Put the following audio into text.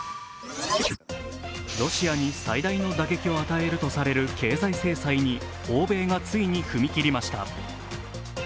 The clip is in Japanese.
ロシアに最大の打撃を与えるとされる経済制裁に欧米がついに踏み切りました。